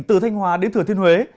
từ thanh hóa đến thừa thiên huế